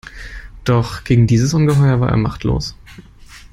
Doch gegen dieses Ungeheuer war er machtlos.